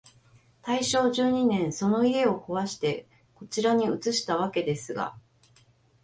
大正十二年、その家をこわして、こちらに移したわけですが、